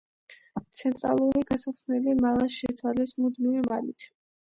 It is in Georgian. ცენტრალური გასახსნელი მალა შეცვალეს მუდმივი მალით.